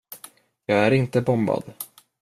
Jag är inte bombad.